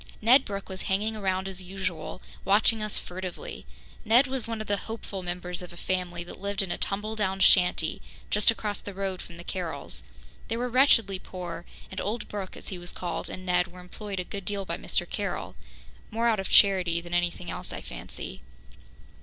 Ned Brooke was hanging around as usual, watching us furtively. Ned was one of the hopeful members of a family that lived in a tumble down shanty just across the road from the Carrolls. They were wretchedly poor, and old Brooke, as he was called, and Ned were employed a good deal by Mr. Carroll more out of charity than anything else, I fancy.